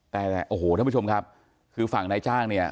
แต่โอ้โหท่านผู้ชมครับคือฝั่งนายจ้างเนี่ย